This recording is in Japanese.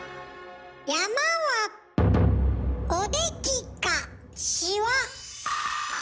山は「おでき」か「しわ」。